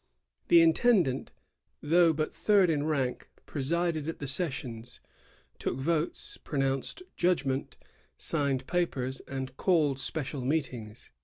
The intendant, though but third in rank, presided at the sessions, took votes, pro nounced judgment, signed papers, and called special meetings.